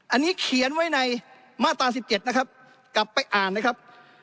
อันนี้เขียนไว้ในมาตรา๑๗นะครับกลับไปอ่านนะครับ